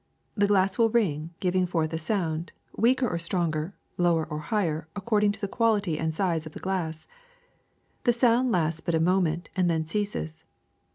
The glass VJ" will ring, giving forth a sound, weaker or stronger, lower or higher, according to the quality and size of the glass. The sound lasts but a moment, and then ceases.